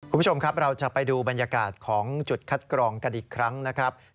คุณผู้ชมครับเราจะไปดูบรรยากาศของจุดคัดกรองกันอีกครั้งนะครับ